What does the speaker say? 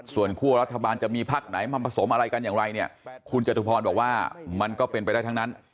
ส่วนคั่วรัฐบาลจะมีพักไหนมาผสมอะไรกันอย่างไรเนี่ยคุณจตุพรบอกว่ามันก็เป็นไปได้ทั้งนั้น